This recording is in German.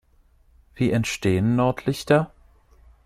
Wie entstehen Nordlichter?